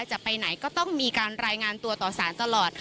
จะไปไหนก็ต้องมีการรายงานตัวต่อสารตลอด